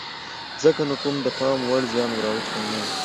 ځکه نو کوم د پام وړ زیان ور اوښتی نه و.